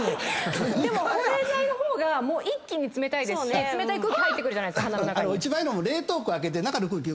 でも保冷剤の方が一気に冷たいですし冷たい空気入ってくるじゃないですか鼻の中に。